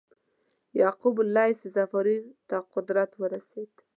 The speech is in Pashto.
یعقوب اللیث صفاري ته قدرت ورسېد.